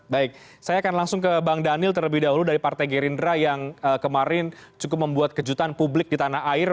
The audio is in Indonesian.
baik saya akan langsung ke bang daniel terlebih dahulu dari partai gerindra yang kemarin cukup membuat kejutan publik di tanah air